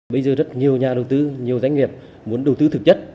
bây giờ rất nhiều nhà đầu tư nhiều doanh nghiệp muốn đầu tư thực chất